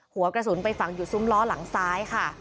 หัวกระสุนไปฝังอยู่ซุ้มล้อหลังซ้ายค่ะ